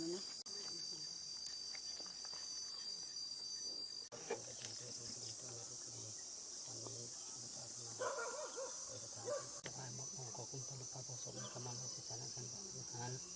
เวียนหัวไม่มาหรอกลูกไม่ขึ้น